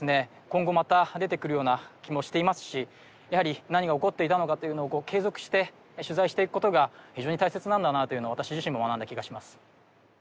今後また出てくるような気もしていますしやはり何が起こっていたのかというのを継続して取材していくことが非常に大切なんだなというのを私自身も学んだ気がします